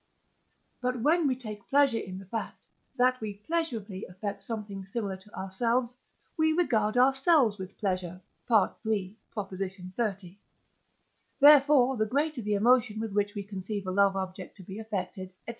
But when we take pleasure in the fact, that we pleasurably affect something similar to ourselves, we regard ourselves with pleasure (III. 30); therefore the greater the emotion with which we conceive a loved object to be affected, &c.